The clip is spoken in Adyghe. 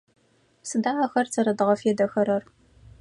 Сыда ахэр зэрэдгъэфедэхэрэр?